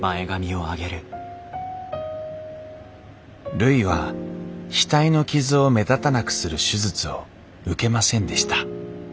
るいは額の傷を目立たなくする手術を受けませんでした。